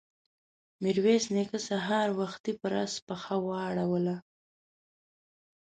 ميرويس نيکه سهار وختي پر آس پښه واړوله.